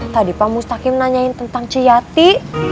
tadi pak mustaki nanyain tentang ci yati